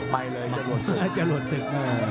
ไปเลยจะหลวดศึก